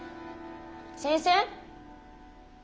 先生？